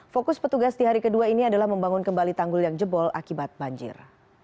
fokus petugas di hari kedua ini adalah membangun kembali tanggul yang jebol akibat banjir